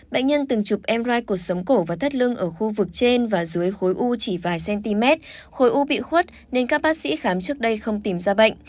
bệnh nhân từng chụp mri cuộc sống cổ và thắt lưng ở khu vực trên và dưới khối u chỉ vài cm khối u bị khuất nên các bác sĩ khám trước đây không tìm ra bệnh